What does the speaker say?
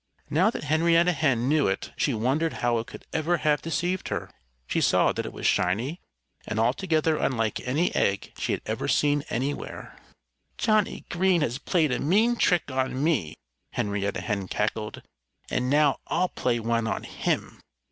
Now that Henrietta Hen knew it she wondered how it could ever have deceived her. She saw that it was shiny and altogether unlike any egg she had ever seen anywhere. "Johnnie Green has played a mean trick on me," Henrietta Hen cackled. "And now I'll play one on him!